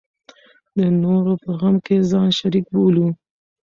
د نورو په غم کې ځان شریک بولو.